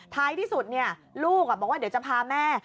ท้ายที่สุดลูกบอกว่าเดี๋ยวจะพาแม่